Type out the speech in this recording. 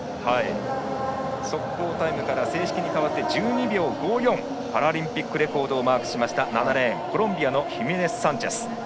速報タイムから正式に変わって１２秒５４とパラリンピックレコードをマークした、７レーンのコロンビアのヒメネスサンチェス。